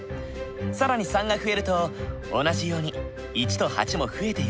更に３が増えると同じように１と８も増えてゆく。